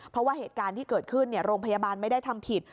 เพราะว่าเหตุการณ์ที่เกิดขึ้นโรงพยาบาลไม่ได้ทำผิด